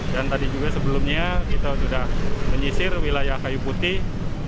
dan tadi juga sebelumnya kita sudah menyisir wilayah kayu putih